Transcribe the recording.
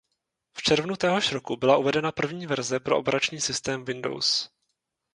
V červnu téhož roku byla uvedena první verze pro operační systém Windows.